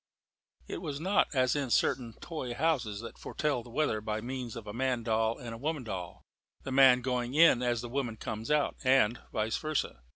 It was not as in certain toy houses that foretell the weather by means of a man doll and a woman doll the man going in as the woman comes out, and vice versa.